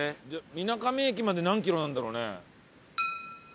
水上駅まで何キロなんだろうね？